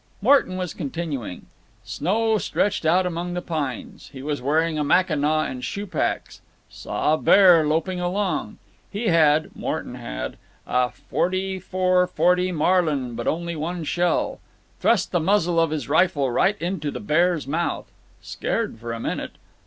Morton was continuing: Snow stretched out among the pines. He was wearing a Mackinaw and shoe packs. Saw a bear loping along. He had—Morton had—a .44 .40 Marlin, but only one shell. Thrust the muzzle of his rifle right into the bear's mouth. Scared for a minute.